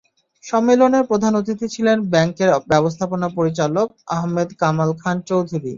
সম্মেলনে প্রধান অতিথি ছিলেন ব্যাংকের ব্যবস্থাপনা পরিচালক আহমেদ কামাল খান চৌধুরী।